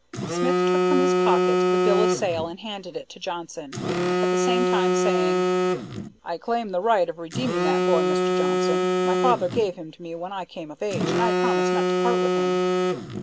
Smith took from his pocket the bill of sale and handed it to Johnson; at the same time saying, "I claim the right of redeeming that boy, Mr. Johnson. My father gave him to me when I came of age, and I promised not to part with him."